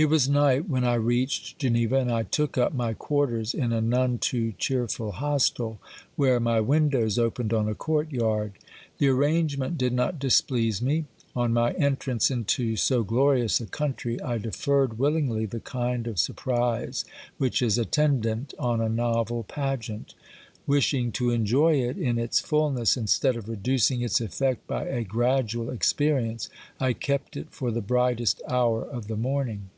It was night when I reached Geneva, and I took up my quarters in a none too cheerful hostel, where my windows opened on a courtyard. The arrangement did not dis please me. On my entrance into so glorious a country I deferred willingly the kind of surprise which is atten dant on a novel pageant. Wishing to enjoy it in its fulness instead of reducing its effect by a gradual experi ence, I kept it for the brightest hour of the morning.